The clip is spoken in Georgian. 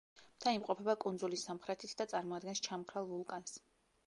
მთა იმყოფება კუნძულის სამხრეთით და წარმოადგენს ჩამქრალ ვულკანს.